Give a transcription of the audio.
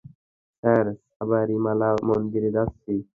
Sir, Sabarimala মন্দিরে যাচ্ছি।